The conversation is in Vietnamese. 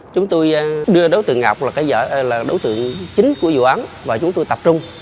chúng tôi đưa đối tượng ngọc là đối tượng chính của vụ án và chúng tôi tập trung